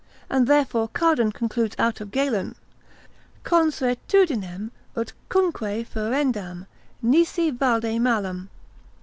And therefore Cardan concludes out of Galen, Consuetudinem utcunque ferendam, nisi valde malam.